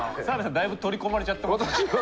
だいぶ取り込まれちゃってますね。